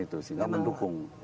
itu sehingga mendukung